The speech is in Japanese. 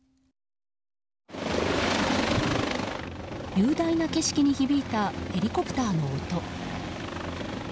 雄大な景色に響いたヘリコプターの音。